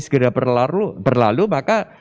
segera berlalu maka